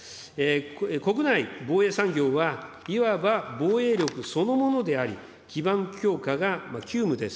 国内防衛産業はいわば防衛力そのものであり、基盤強化が急務です。